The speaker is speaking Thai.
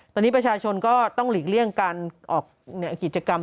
ตอนนี้ประชาชนก็ต้องหลีกเลี่ยงการออกกิจกรรม